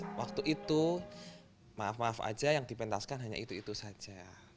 karena waktu itu maaf maaf aja yang dipentaskan hanya itu itu saja